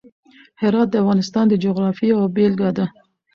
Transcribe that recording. هرات د افغانستان د جغرافیې یوه بېلګه ده.